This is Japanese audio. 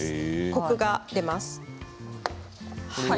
コクが出ます。